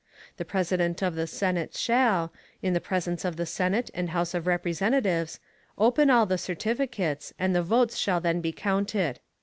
The President of the Senate shall, in the presence of the Senate and House of Representatives, open all the certificates, and the votes shall then be counted.